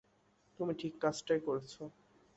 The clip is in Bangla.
তুমি ঠিক কাজটাই করেছ।